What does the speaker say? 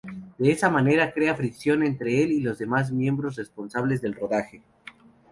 De esa manera crea fricción entre el y los demás miembros responsables del rodaje.